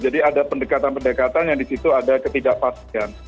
jadi ada pendekatan pendekatan yang di situ ada ketidakpastian